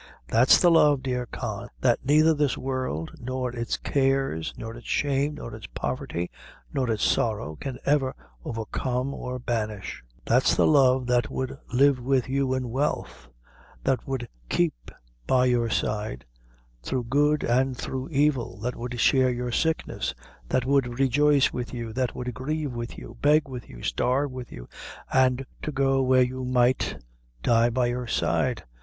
That's the love, dear Con, that neither this world nor its cares, nor its shame, nor its poverty, nor its sorrow, can ever overcome or banish; that's the love that would live with you in wealth; that would keep by your side through good and through evil; that would share your sickness; that would rejoice with you; that would grieve with you; beg with you, starve with you, an', to go where you might, die by your side.